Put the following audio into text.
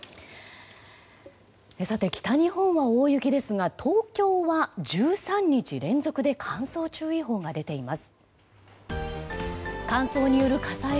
さて、北日本は大雪ですが東京は１３日連続で乾燥注意報が出ています。